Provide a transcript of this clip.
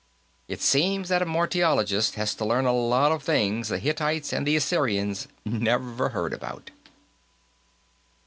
It seems that a Martiologist has to learn a lot of things the Hittites and the Assyrians never heard about."